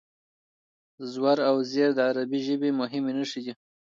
زور او زېر د عربي ژبې مهمې نښې دي.